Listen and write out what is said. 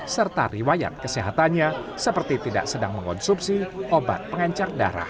serta riwayat kesehatannya seperti tidak sedang mengonsumsi obat pengencar darah